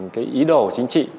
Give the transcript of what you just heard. cái ý đồ chính trị